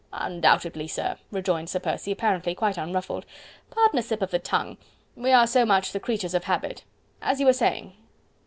"Undoubtedly, sir," rejoined Sir Percy, apparently quite unruffled, "pardon a slip of the tongue... we are so much the creatures of habit.... As you were saying...?"